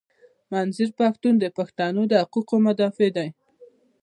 منظور پښتین د پښتنو د حقوقو مدافع دي.